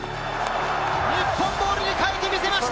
日本ボールにかえてみせました！